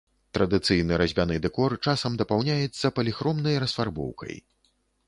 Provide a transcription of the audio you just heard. Традыцыйны разьбяны дэкор часам дапаўняецца паліхромнай расфарбоўкай.